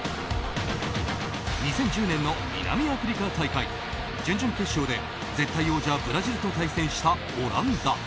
２０１０年の南アフリカ大会準々決勝で絶対王者ブラジルと対戦したオランダ。